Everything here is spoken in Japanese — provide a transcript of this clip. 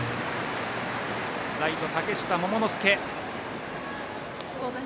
ライト、嶽下桃之介。